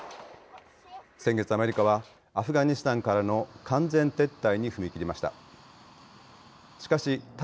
先月、アメリカはアフガニスタンからの完全撤退に踏み切りました。